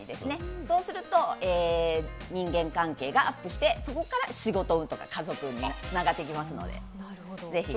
そうすると人間関係がアップしてそこから仕事運とか家族運につながっていきますので、ぜひ。